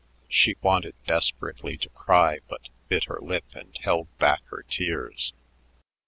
She wanted desperately to cry but bit her lip and held back her tears.